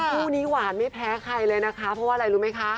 คู่นี้หวานไม่แพ้ใครเลยนะคะเพราะว่าอะไรรู้ไหมคะ